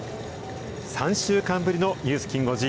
３週間ぶりのニュースきん５時。